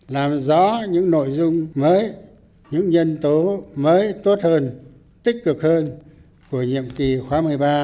làm rõ những nội dung mới những nhân tố mới tốt hơn tích cực hơn của nhiệm kỳ khóa một mươi ba